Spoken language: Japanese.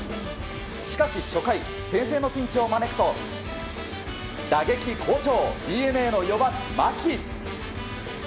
しかし初回先制のピンチを招くと打撃好調ＤｅＮＡの４番、牧。